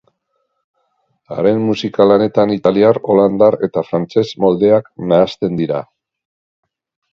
Haren musika-lanetan italiar, holandar eta frantses moldeak nahasten dira.